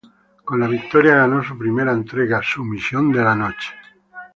Con la victoria ganó su primera entrega "Sumisión de la Noche".